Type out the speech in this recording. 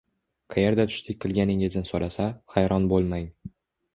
Qayerda tushlik qilganingizni so’rasa, hayron bo’lmang.